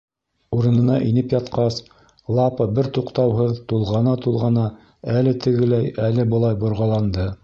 Урынына инеп ятҡас, Лапа бер туҡтауһыҙ тулғана-тулғана әле тегеләй, әле былай борғаланды.